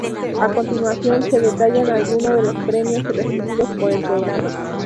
A continuación, se detallan alguno de los premios recibidos por el programa.